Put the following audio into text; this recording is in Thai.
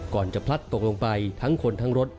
จะพลัดตกลงไปทั้งคนทั้งรถ